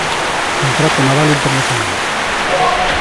Contrato naval internacional.